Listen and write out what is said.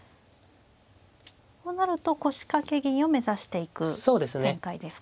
となると腰掛け銀を目指していく展開ですか。